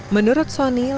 menurut soni sulaksono wibowo